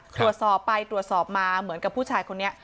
ตรวจสอบไปตรวจสอบมาเหมือนกับผู้ชายคนนี้